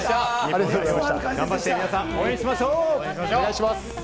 頑張って皆さん、応援しましょう。